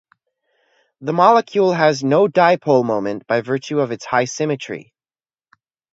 The molecule has no dipole moment by virtue of its high symmetry.